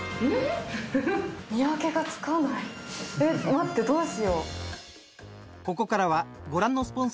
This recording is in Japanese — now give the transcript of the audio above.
待ってどうしよう。